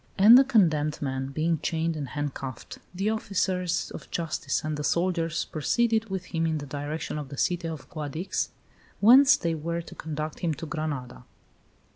And the condemned man, being chained and handcuffed, the officers of justice and the soldiers proceeded with him in the direction of the city of Guadix, whence they were to conduct him to Granada.